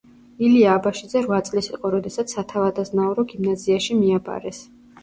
ილია აბაშიძე რვა წლის იყო როდესაც სათავადაზნაურო გიმნაზიაში მიაბარეს.